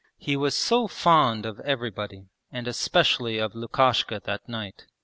He was so fond of everybody and especially of Lukashka that night.